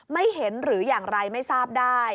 ไม่เห็นหรืออย่างไรไม่ทราบได้